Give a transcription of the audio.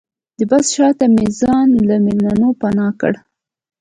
د بس شاته مې ځان له مېلمنو پناه کړ.